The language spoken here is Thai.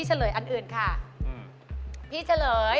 แค่๓ตัวแค่๓ตัว